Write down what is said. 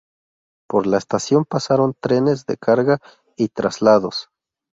Por la estación pasaron trenes de carga y traslados.